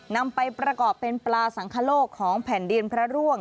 นำไปประกอบเป็นปลาสังคโลกของแผ่นดินพระร่วง